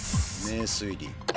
名推理。